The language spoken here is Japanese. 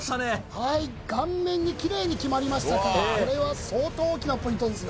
はい顔面にきれいに決まりましたからこれは相当大きなポイントですよ